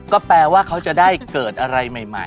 ก็แปลว่าเขาจะได้เกิดอะไรใหม่